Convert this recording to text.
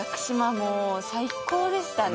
もう最高でしたね